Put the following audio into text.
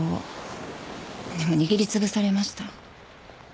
でも握り潰されました。